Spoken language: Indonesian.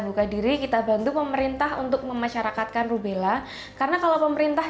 buka diri kita bantu pemerintah untuk memasyarakatkan rubella karena kalau pemerintah